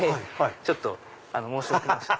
ちょっと申し遅れました。